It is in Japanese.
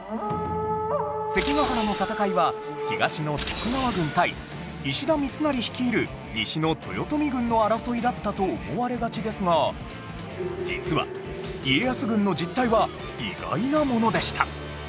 関ヶ原の戦いは東の徳川軍対石田三成率いる西の豊臣軍の争いだったと思われがちですが実は家康軍の実態は意外なものでした